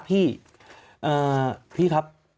พี่ครับ